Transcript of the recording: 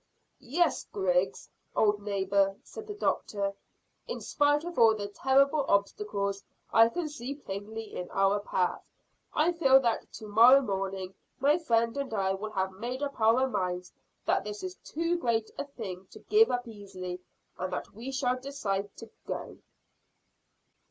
"Yes, Griggs, old neighbour," said the doctor; "in spite of all the terrible obstacles I can see plainly in our path, I feel that to morrow morning my friend and I will have made up our minds that this is too great a thing to give up easily, and that we shall decide to go."